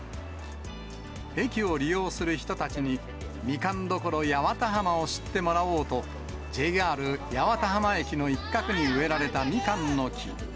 駅を利用する人たちに、みかんどころ八幡浜を知ってもらおうと、ＪＲ八幡浜駅の一角に植えられたみかんの木。